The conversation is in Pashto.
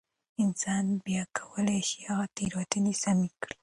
انسان بيا کولای شي هغه تېروتنې سمې کړي.